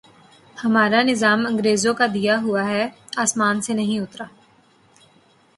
ہمارا نظام انگریزوں کا دیا ہوا ہے، آسمان سے نہیں اترا۔